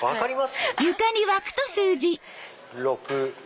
６。